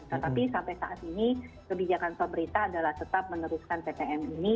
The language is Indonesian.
tetapi sampai saat ini kebijakan pemerintah adalah tetap meneruskan ptm ini